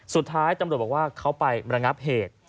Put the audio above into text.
สุดท้ายตำรวจบอกว่าเขาไประงับเหตุ